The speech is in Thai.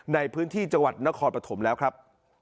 ในพื้นที่จังหวัดนครปฐมแล้วครับ